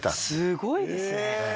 すごいですね。